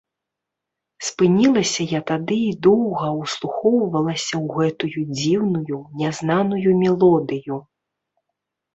Спынілася я тады і доўга ўслухоўвалася ў гэтую дзіўную, нязнаную мелодыю.